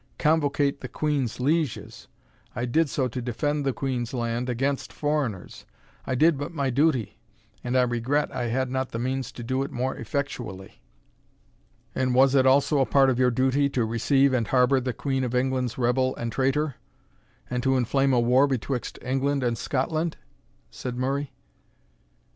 Convocate the Queen's lieges! I did so to defend the Queen's land against foreigners. I did but my duty; and I regret I had not the means to do it more effectually." "And was it also a part of your duty to receive and harbour the Queen of England's rebel and traitor; and to inflame a war betwixt England and Scotland?" said Murray.